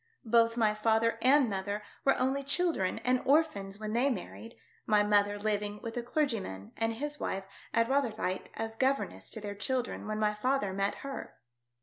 Both my father and mother were only children and orphans when they married, my mother living with a clergyman and his wife at Rotherhithe as governess to their children when my father met her.